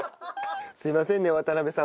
すいませんね渡邉さん